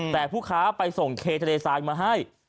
แต่ผู้ค้าไปส่งเคทะเลทรายมาให้